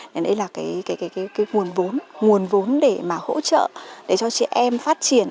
nên đây là cái nguồn vốn để mà hỗ trợ để cho chị em phát triển